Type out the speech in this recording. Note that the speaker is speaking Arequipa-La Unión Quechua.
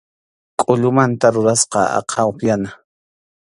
Kʼullumanta rurasqa aqha upyana.